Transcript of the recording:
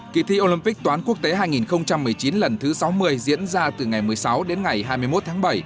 kỳ thi olympic toán quốc tế hai nghìn một mươi chín lần thứ sáu mươi diễn ra từ ngày một mươi sáu đến ngày hai mươi một tháng bảy